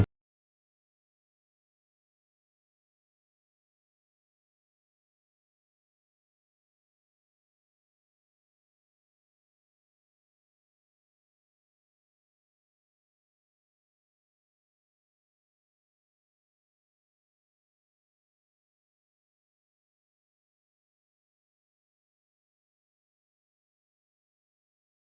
sampai ketemu lagi